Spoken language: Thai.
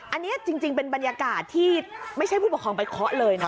อันนี้จริงเป็นบรรยากาศที่ไม่ใช่ผู้ปกครองไปเคาะเลยนะ